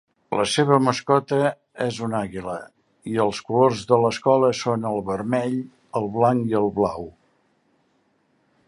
La seva mascota és un àguila, i els colors de l'escola són el vermell, el blanc i el blau.